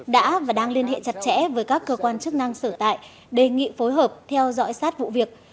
đã và đang liên hệ chặt chẽ với các cơ quan chức năng sở tại đề nghị phối hợp theo dõi sát vụ việc